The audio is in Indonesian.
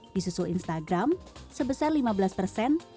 di susul instagram sebesar lima belas persen